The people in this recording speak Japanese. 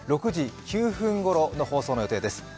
６時９分ごろの放送の予定です。